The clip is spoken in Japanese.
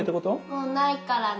もうないからね。